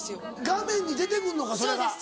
画面に出てくんのかそれが。